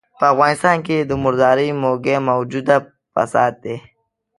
په افغانستان کې د مردارۍ موږی موجوده فساد دی.